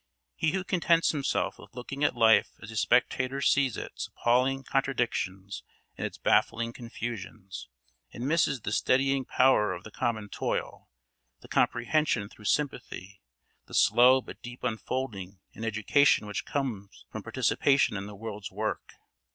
He who contents himself with looking at life as a spectator sees its appalling contradictions and its baffling confusions, and misses the steadying power of the common toil, the comprehension through sympathy, the slow but deep unfolding and education which come from participation in the world's work.